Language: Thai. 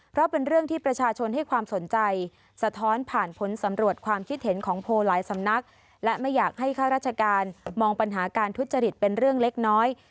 เพราะเป็นเรื่องที่ประชาชนให้ความสนใจสะท้อนผ่านผลสำรวจความคิดเห็นของโพลหลายสำนักและไม่อยากให้ข้าราชการมองปัญหาการทุจริตเป็นเรื่องเล็กน้อย